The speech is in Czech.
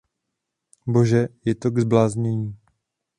Bože, je to k zbláznění!